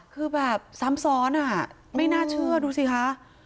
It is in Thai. คือแบบซ้ำซ้อนอ่ะไม่น่าเชื่อดูสิคะ